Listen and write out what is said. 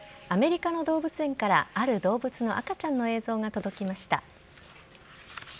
アメリカの動物園からある動物の赤ちゃんの映像が届きました。